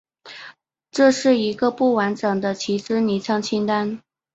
这是一个不完整的旗帜昵称清单。